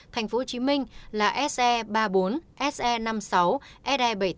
thành phố hồ chí minh là se ba mươi bốn se năm mươi sáu se bảy mươi tám